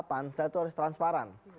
pansel itu harus transparan